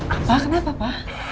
apa kenapa pak